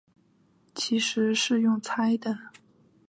其实是用猜的